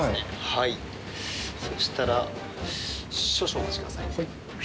はい、そしたら、少々お待ちください。